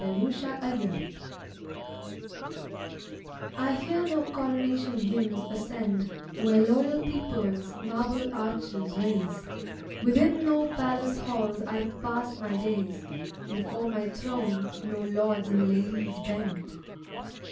Ctowneb HEAR no coronation hymns ascend Where loyal peoples marble arches raise; Within no palace halls I pass my days, Before my throne no lords and ladies bend.